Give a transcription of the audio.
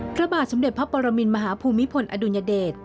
พระบาทสมเด็จพระปรมินมหาภูมิพลอดุลยเดช